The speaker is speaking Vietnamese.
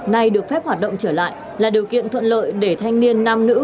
này được phép hoạt động trở lại là điều kiện thuận lợi để thanh niên nam nữ